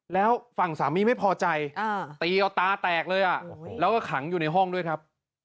แล้วฝั่งสามีไม่พอใจตีเอาตาแตกเลยแล้วก็ขังอยู่ในห้องด้วยครับ